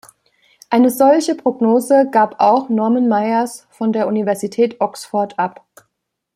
Eine solche Prognose gab auch Norman Myers von der Universität Oxford ab.